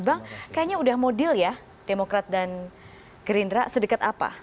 bang kayaknya udah model ya demokrat dan gerindra sedekat apa